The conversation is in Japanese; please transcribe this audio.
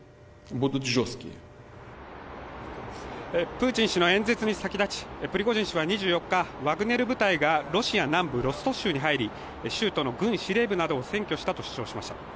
プーチン氏の演説に先立ち、プリゴジン氏は２４日、ワグネル部隊がロシア南部ロストフ州に入り、州都の軍司令部などを占拠したと主張しました。